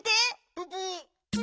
ププ！